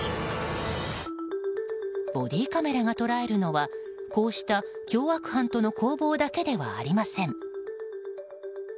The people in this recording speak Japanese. ボディーカメラが捉えるのはこうした凶悪犯との攻防だけではありません。